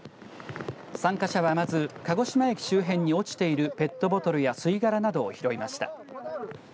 参加者は、まず鹿児島駅周辺に落ちているペットボトルや吸い殻などを拾いました。